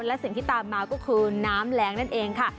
และสิ่งที่ตามมาก็คือน้ำแรงนั่นเองค่ะ